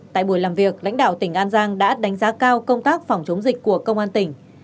tại buổi làm việc lãnh đạo tỉnh an giang đã đánh giá cao công tác phòng chống dịch của công an tỉnh